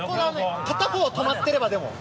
片方止まってればでも。